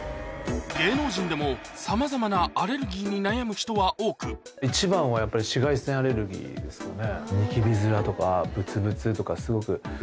芸能人でもさまざまなアレルギーに悩む人は多く一番はやっぱり。の思い出しますね。